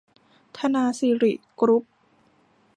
ธนาสิริ กรุ๊ป